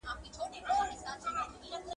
هغه وويل چي قانون مراعت کول ضروري دي.